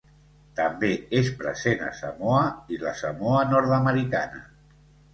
També és present a Samoa i la Samoa Nord-americana.